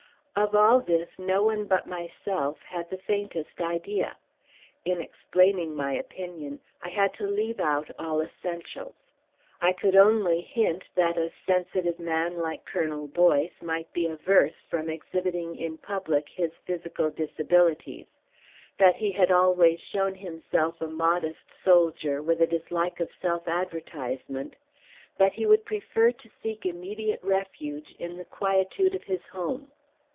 Of all this no one but myself had the faintest idea. In explaining my opinion I had to leave out all essentials. I could only hint that a sensitive man like Colonel Boyce might be averse from exhibiting in public his physical disabilities; that he had always shown himself a modest soldier with a dislike of self advertisement; that he would prefer to seek immediate refuge in the quietude of his home.